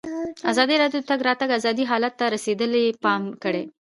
ازادي راډیو د د تګ راتګ ازادي حالت ته رسېدلي پام کړی.